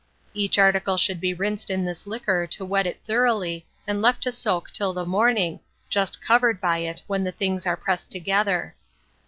Each article should be rinsed in this liquor to wet it thoroughly, and left to soak till the morning, just covered by it when the things are pressed together.